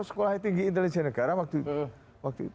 sekolah tinggi intelijen negara waktu itu